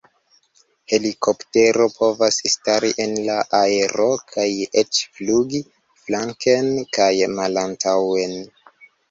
Helikoptero povas stari en la aero kaj eĉ flugi flanken kaj malantaŭen.